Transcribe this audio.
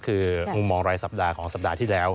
คือมุมมองรายสัปดาห์ของสัปดาห์ที่แล้ว